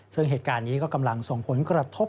ซึ่งเหตุการณ์นี้ก็กำลังส่งผลกระทบ